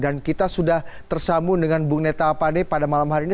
dan kita sudah tersambung dengan bung neta pane pada malam hari ini